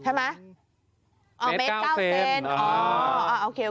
เอ่อเออใช่ไหม